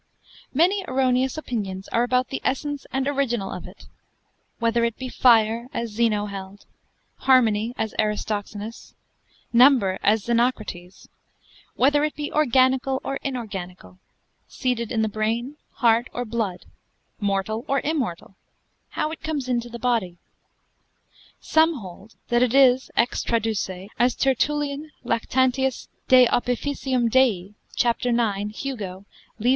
Many erroneous opinions are about the essence and original of it; whether it be fire, as Zeno held; harmony, as Aristoxenus; number, as Xenocrates; whether it be organical, or inorganical; seated in the brain, heart or blood; mortal or immortal; how it comes into the body. Some hold that it is ex traduce, as Phil. 1. de Anima, Tertullian, Lactantius de opific. Dei, cap. 19. Hugo, lib.